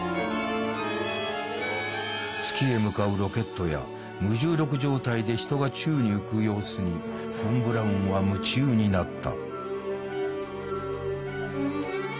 月へ向かうロケットや無重力状態で人が宙に浮く様子にフォン・ブラウンは夢中になった。